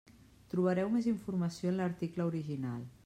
Trobareu més informació en l'article original.